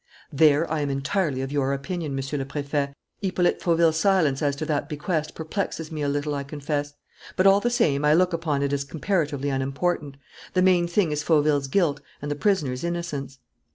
"There, I am entirely of your opinion, Monsieur le Préfet. Hippolyte Fauville's silence as to that bequest perplexes me a little, I confess. But all the same I look upon it as comparatively unimportant. The main thing is Fauville's guilt and the prisoners' innocence."